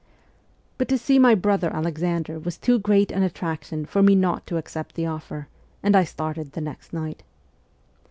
But to see my brother Alexander was too great an attraction for me not to accept the offer, and I started the next night.